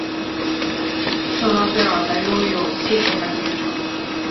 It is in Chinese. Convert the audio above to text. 圣拉斐尔还拥有四处海水浴场。